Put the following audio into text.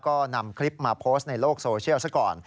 ก็นำคลิปมาโพสต์ในโลกโซเชียลซะก่อน